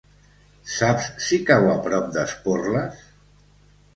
Saps si cau a prop d'Esporles?